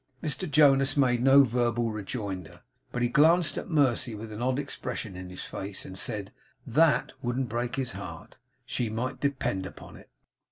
Mr Jonas made no verbal rejoinder, but he glanced at Mercy with an odd expression in his face; and said THAT wouldn't break his heart, she might depend upon it.